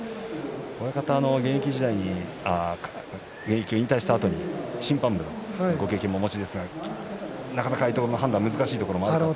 親方は現役を引退したあとに審判部のご経験もお持ちですがなかなかああいうところの判断難しいところもあると思います。